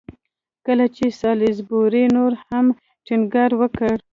کله چې سالیزبوري نور هم ټینګار وکړ.